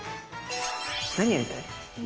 何やりたい？